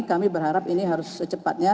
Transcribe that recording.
kami berharap ini harus secepatnya